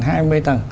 hai mươi tầng